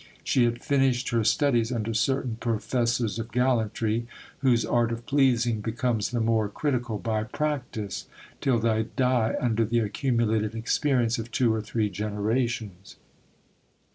She had finished her studies under certain professors of gallantry, whose art of pleasing becomes the more critical by practice ; till they die under the accumulated experience of two or three generations.